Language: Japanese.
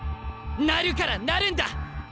なるからなるんだ！